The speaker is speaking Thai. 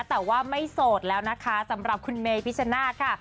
แต่ว่าไม่โสดแล้วนะคะสำหรับคุณเมพิชนาธิ์ค่ะ